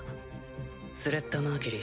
スレッタ・マーキュリー。